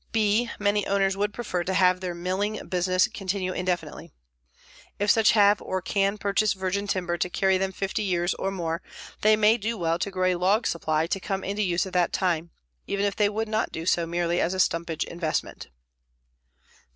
(b) Many owners would prefer to have their milling business continue indefinitely. If such have or can purchase virgin timber to carry them 50 years or more they may do well to grow a log supply to come into use at that time, even if they would not do so merely as a stumpage investment.